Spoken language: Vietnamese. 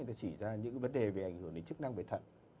nó chỉ ra những cái vấn đề về ảnh hưởng đến chức năng về thận